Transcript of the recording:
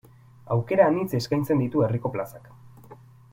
Aukera anitz eskaintzen ditu herriko plazak.